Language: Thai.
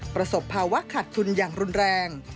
ประสบภาวะขาดทุนอย่างรุนแรง